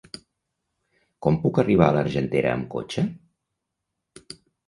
Com puc arribar a l'Argentera amb cotxe?